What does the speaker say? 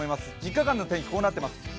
３日間の天気はこうなっています。